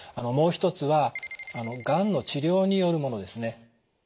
もう一つはがんの治療によるものですね。